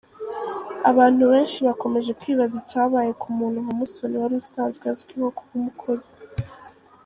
Abantu benshi bakomeje kwibaza icyabaye ku muntu nka Musoni wari usanzwe azwiho kuba umukozi.